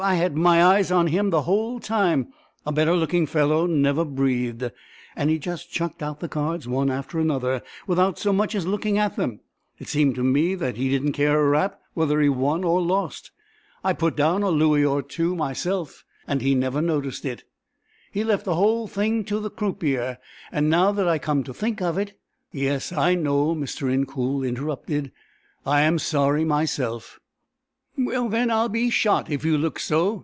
I had my eyes on him the whole time. A better looking fellow never breathed, and he just chucked out the cards one after another without so much as looking at them; it seemed to me that he didn't care a rap whether he won or lost. I put down a louis or two myself, and he never noticed it; he left the whole thing to the croupier, and now that I come to think of it " "Yes, I know," Mr. Incoul interrupted. "I am sorry myself." "Well then I'll be shot if you look so.